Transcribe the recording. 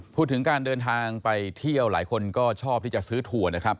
พูดถึงการเดินทางไปเที่ยวหลายคนก็ชอบที่จะซื้อถั่วนะครับ